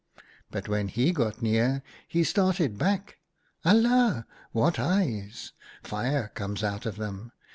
" But when he got near, he started back. * Alia ! what eyes ! Fire comes out of them.